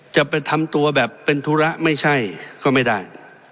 จะไปทำตัวแบบเป็นธุระไม่ใช่ก็ไม่ได้